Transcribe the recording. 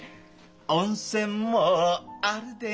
「温泉もあるでよォ」